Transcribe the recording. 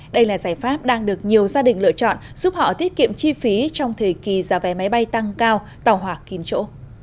đây là giải pháp đang được nhiều gia đình lựa chọn giúp họ tiết kiệm chi phí trong thời kỳ giá vé máy bay tăng cao tàu hỏa kín chỗ